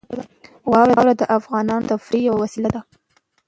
واوره د افغانانو د تفریح یوه وسیله ده.